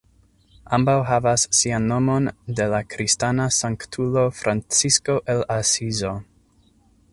Ambaŭ havas sian nomon de la kristana sanktulo Francisko el Asizo.